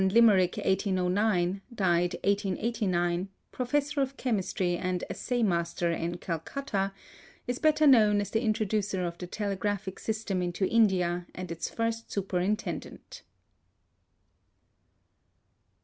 Limerick 1809, d. 1889), professor of chemistry and assay master in Calcutta, is better known as the introducer of the telegraphic system into India and its first superintendent.